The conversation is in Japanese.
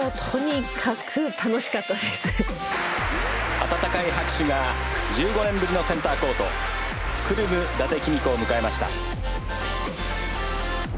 温かい拍手が１５年ぶりのセンターコートクルム伊達公子を迎えました。